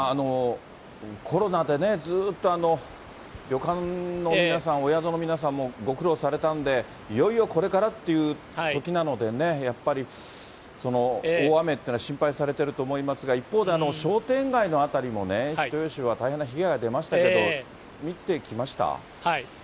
コロナでね、ずっと旅館の皆さん、お宿の皆さんもご苦労されたんで、いよいよこれからというときなのでね、やっぱり、大雨というのは心配されてると思いますが、一方で、商店街の辺りもね、人吉は大変な被害が出ましたけど、見てきました？